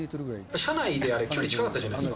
車内で距離、近かったじゃないですか。